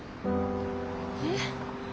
えっ。